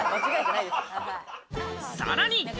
さらに。